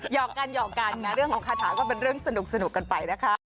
อกกันหยอกกันนะเรื่องของคาถาก็เป็นเรื่องสนุกกันไปนะคะ